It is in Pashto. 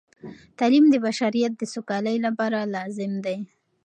تعلیم د بشریت د سوکالۍ لپاره لازم دی.